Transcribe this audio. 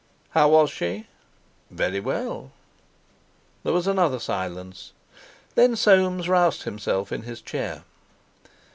"How was she?" "Very well." There was another silence; then Soames roused himself in his chair.